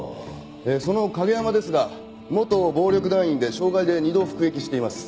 その景山ですが元暴力団員で傷害で２度服役しています。